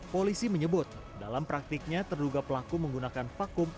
polisi menyebut dalam praktiknya terduga pelaku menggunakan vakum